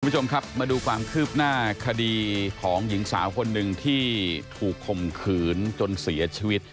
คุณผู้ชมครับมาดูความคืบหน้าคดีของหญิงสาวคนหนึ่งที่ถูกข่มขืนจนเสียชีวิต